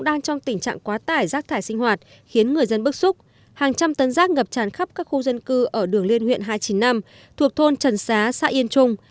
đang trong tình trạng quá tải rác thải sinh hoạt khiến người dân bức xúc hàng trăm tấn rác ngập tràn khắp các khu dân cư ở đường liên huyện hai trăm chín mươi năm thuộc thôn trần xá xã yên trung